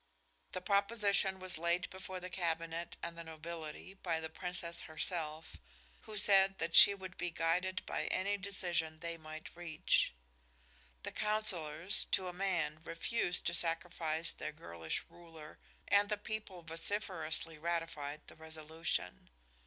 The proposition was laid before the cabinet and the nobility by the Princess herself, who said that she would be guided by any decision they might reach. The counsellors, to a man, refused to sacrifice their girlish ruler, and the people vociferously ratified the resolution.